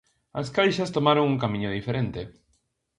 As caixas tomaron un camiño diferente.